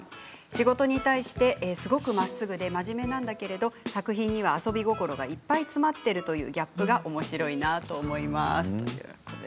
仕事に対してすごくまっすぐで真面目なんだけれど作品には遊び心がいっぱい詰まっているというギャップがおもしろいなと思います。